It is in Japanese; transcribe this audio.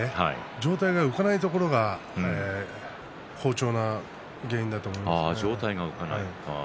上体が浮かないことが好調の原因だと思いますね。